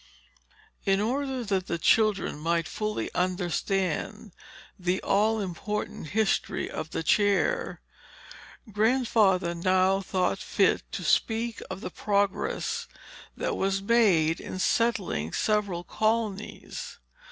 In order that the children might fully understand the all important history of the chair, Grandfather now thought fit to speak of the progress that was made in settling several colonies.